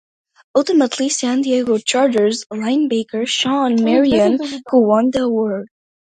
Ultimately, San Diego Chargers linebacker Shawne Merriman won the award.